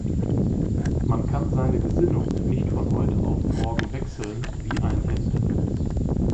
Man kann seine Gesinnung nicht von heute auf morgen wechseln wie ein Hemd.